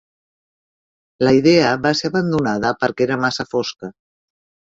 La idea va ser abandonada perquè era massa fosca.